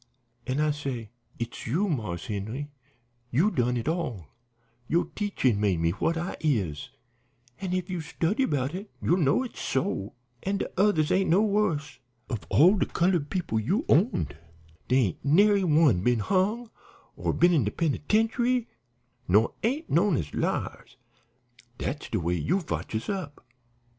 An' I say, 'It's you, Marse Henry; you done it all; yo' teachin' made me what I is, an' if you study about it you'll know it's so. An' de others ain't no wus'. Of all de colored people you owned, dere ain't nary one been hung, or been in de penitentiary, nor ain't knowed as liars. Dat's de way you fotch us up.'